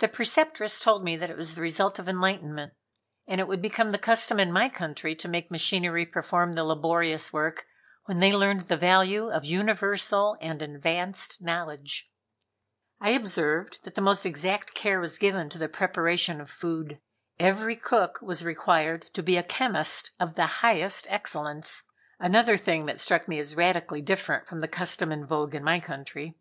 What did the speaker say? The Preceptress told me that it was the result of enlightenment, and it would become the custom in my country to make machinery perform the laborious work when they learned the value of universal and advanced knowledge. I observed that the most exact care was given to the preparation of food. Every cook was required to be a chemist of the highest excellence; another thing that struck me as radically different from the custom in vogue in my country.